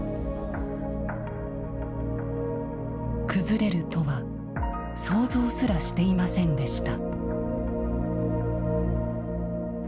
崩れるとは想像すらしていませんでした。